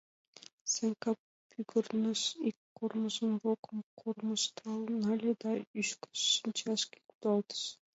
Санька пӱгырныш, ик кормыж рокым кормыжтал нале да ӱшкыж шинчашке кудалтыш.